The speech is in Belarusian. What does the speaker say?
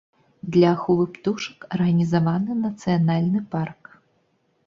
Для аховы птушак арганізаваны нацыянальны парк.